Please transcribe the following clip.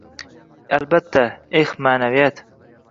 Albatta! Eh, ma’naviyat...